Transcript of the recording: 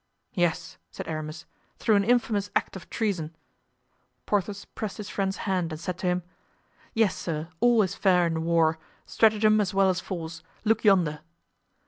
"Yes," said Aramis, "through an infamous act of treason." Porthos pressed his friend's hand and said to him: "Yes, sir, all is fair in war, stratagem as well as force; look yonder!"